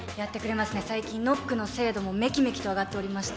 最近ノックの精度もメキメキと上がっておりまして。